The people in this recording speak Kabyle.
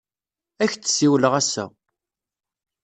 Ad ak-d-siwleɣ ass-a.